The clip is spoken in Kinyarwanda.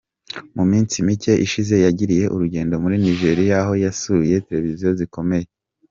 Mu minsi mike ishize yagiriye urugendo muri Nigeria aho yanasuye Televiziyo zikomeye.